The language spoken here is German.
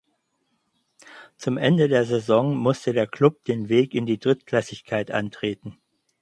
Zum Ende der Saison musste der Club den Weg in die Drittklassigkeit antreten.